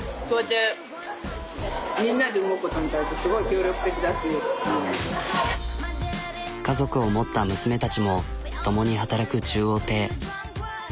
こうやって家族を持った娘たちも共に働く中央亭。